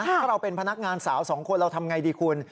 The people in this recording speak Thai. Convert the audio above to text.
ถ้าเราเป็นพนักงานสาวสองคนเราทำไงดีคุณ